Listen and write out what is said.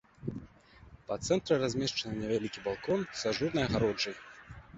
Па цэнтры размешчаны невялікі балкон з ажурнай агароджай.